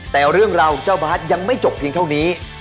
แต่เรื่องราวเจ้าบาร์ดยังไม่จบเพียงเท่านี้